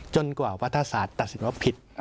กว่ารัฐศาสตร์ตัดสินว่าผิด